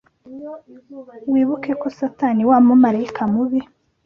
Wibuke ko Satani wa mumarayika mubi